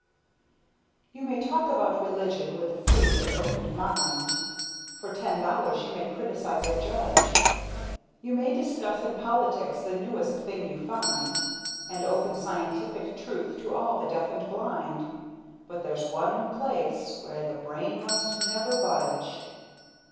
You may talk about religion with a free and open mind, For ten dollars you may criticize a judge; You may discuss in politics the newest thing you find, And open scientific truth to all the deaf and blind, But there's one place where the brain must never budge!